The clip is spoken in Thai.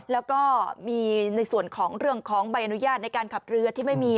แล้วก็มีในส่วนของเรื่องของใบอนุญาตในการขับเรือที่ไม่มี